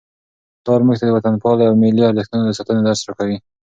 پلار موږ ته د وطنپالنې او ملي ارزښتونو د ساتنې درس راکوي.